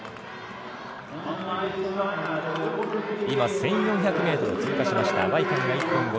今１４００ｍ通過しました